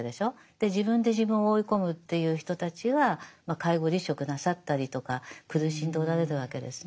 で自分で自分を追い込むっていう人たちが介護離職なさったりとか苦しんでおられるわけですね。